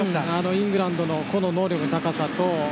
イングランドの個人能力の高さと。